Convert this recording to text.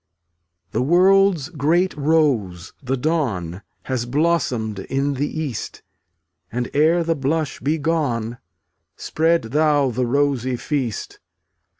315 The world's great rose, the dawn, Has blossomed in the east; And, ere the blush be gone, Spread thou the rosy feast.